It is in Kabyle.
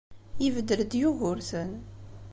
Ibeddel-d Yugurten.